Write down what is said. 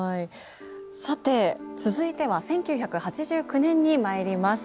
さて続いては１９８９年にまいります。